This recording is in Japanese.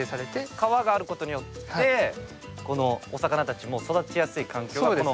川があることによってこのお魚たちも育ちやすい環境がこの。